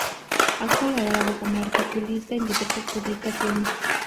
Ha colaborado como articulista en diversas publicaciones.